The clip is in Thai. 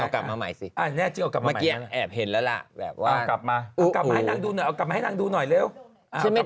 แก้แอบเห็นแล้วล่ะ